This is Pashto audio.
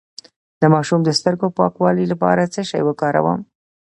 د ماشوم د سترګو د پاکوالي لپاره څه شی وکاروم؟